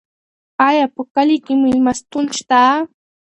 ایا په کلي کې مېلمستون شته؟